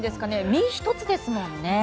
身一つですもんね。